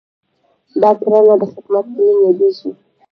دا کړنه د خدمت په نوم یادیږي.